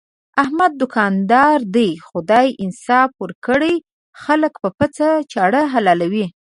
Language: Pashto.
احمد دوکاندار ته دې خدای انصاف ورکړي، خلک په پڅه چاړه حلالوي.